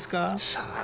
さあ。